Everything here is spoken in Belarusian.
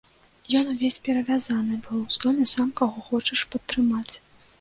Ён, увесь перавязаны, быў здольны сам каго хочаш падтрымаць!